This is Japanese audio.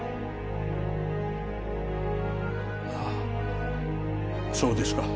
ああそうですか。